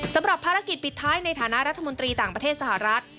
สำหรับภารกิจปิดท้ายในฐานะรัฐมนตรีต่างประเทศสหรัฐ